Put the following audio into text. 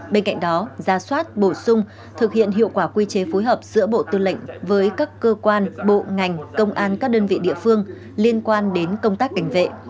bên cạnh đó ra soát bổ sung thực hiện hiệu quả quy chế phối hợp giữa bộ tư lệnh với các cơ quan bộ ngành công an các đơn vị địa phương liên quan đến công tác cảnh vệ